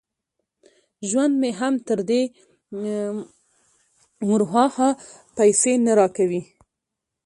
ژوند مې هم تر دې ور ها خوا پیسې نه را کوي